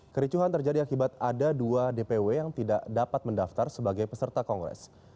kericuhan terjadi akibat ada dua dpw yang tidak dapat mendaftar sebagai peserta kongres